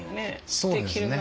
そうですね。